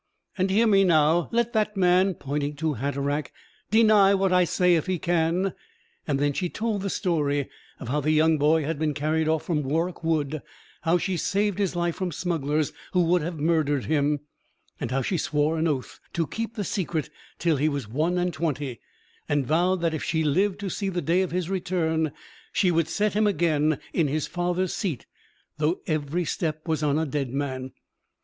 And hear me now let that man," pointing to Hatteraick, "deny what I say if he can." And then she told the story of how the young boy had been carried off from Warroch Wood; how she saved his life from smugglers who would have murdered him; and how she swore an oath to keep the secret till he was one and twenty, and vowed that if she lived to see the day of his return she would set him again in his father's seat, though every step was on a dead man.